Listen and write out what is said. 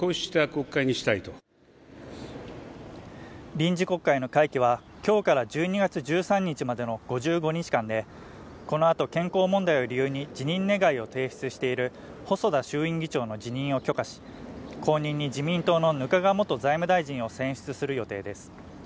臨時国会の会期は今日から１２月１３日までの５５日間でこのあと健康問題を理由に辞任願を提出している細田衆院議長の辞任を許可し後任に自民党の額賀元財務大臣を選出する予定です